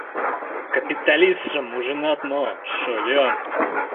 — Капиталистшым ужынат мо, шольым?